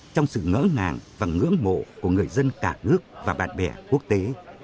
trong sự ngỡ ngàng và ngưỡng mộ của người dân cả nước và bạn bè quốc tế